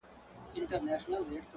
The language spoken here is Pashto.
ﻻس چي مات سي غاړي ته لوېږي.